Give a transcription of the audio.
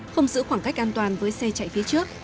không giữ khoảng cách an toàn với xe chạy phía trước